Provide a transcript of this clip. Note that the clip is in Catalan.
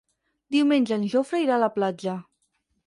Diumenge en Jofre irà a la platja.